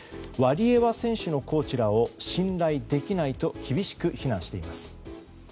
ワリエワ選手のコーチらを信頼できないと厳しく非難しています。